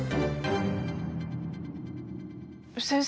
先生